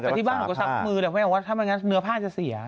แต่ที่บ้านหนูก็ซับมือแต่แม่บอกว่าถ้าไม่งั้นเนื้อผ้าจะเสีย